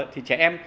thì trẻ em